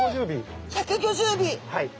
はい。